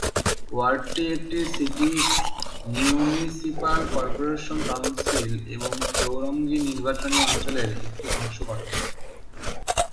ওয়ার্ডটি একটি city municipal corporation council এবং চৌরঙ্গী নির্বাচনী অঞ্চলের একটি অংশ গঠন করে।